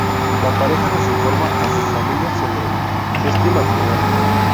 La pareja no informa a sus familias sobre este matrimonio.